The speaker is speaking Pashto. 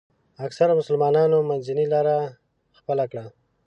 اکثرو مسلمانانو منځنۍ لاره خپله کړه.